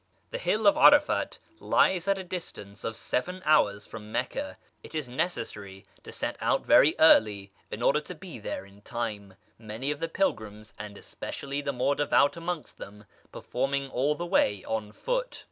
The hill of Arafat lying at a distance of seven hours from Meccah, it is necessary to set out very early in order to be there in time; many of the pilgrims, and especially the more devout amongst them, performing all the way on foot.